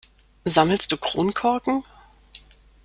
Sammelst du Kronkorken?